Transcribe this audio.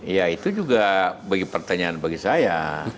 ya itu juga bagi pertanyaan bagi saya